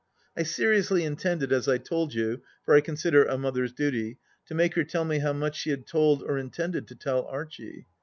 I seriously intended, as I told you, for I consider it 8 mother's duty, to make her tell me how much she had told or intended to tell Archie.